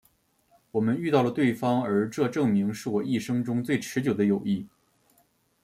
我们遇到了对方而这证明是我一生中最持久的友谊。